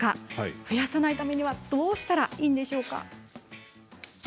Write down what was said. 増やさないためにはどうしたらいいんでしょうか。